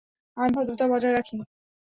আমি ভদ্রতা বজায় রাখি।